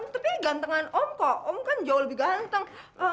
tapi gantengan om kok om kan jauh lebih ganteng